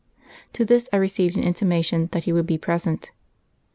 To this I received an intimation that he would be present.